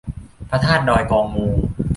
พระธาตุดอยกองมู